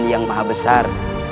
yang maha besar